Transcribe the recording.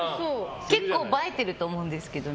結構映えてると思うんですけどね。